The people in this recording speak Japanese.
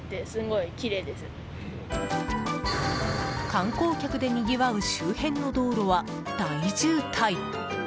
観光客でにぎわう周辺の道路は大渋滞！